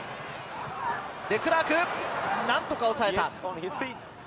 デクラーク、何とかおさえた。